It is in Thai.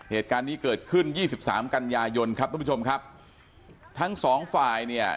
เหตุการณ์นี้เกิดขึ้นยี่สิบสามกันยายนครับทุกผู้ชมครับทั้งสองฝ่ายเนี่ย